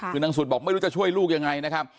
คือนางสุดบอกไม่รู้จะช่วยลูกยังไงนะครับ